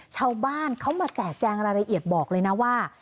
ชาวบ้านเขามาแจกแจงรายละเอียดบอกเลยนะว่า